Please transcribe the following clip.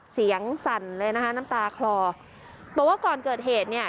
สั่นเลยนะคะน้ำตาคลอบอกว่าก่อนเกิดเหตุเนี่ย